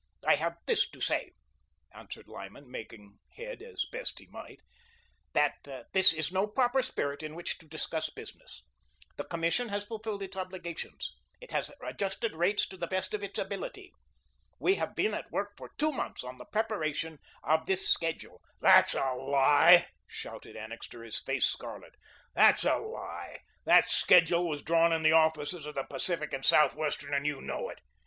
"I have this to say," answered Lyman, making head as best he might, "that this is no proper spirit in which to discuss business. The Commission has fulfilled its obligations. It has adjusted rates to the best of its ability. We have been at work for two months on the preparation of this schedule " "That's a lie," shouted Annixter, his face scarlet; "that's a lie. That schedule was drawn in the offices of the Pacific and Southwestern and you know it.